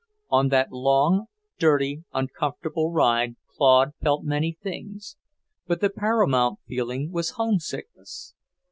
On that long, dirty, uncomfortable ride Claude felt many things, but the paramount feeling was homesickness.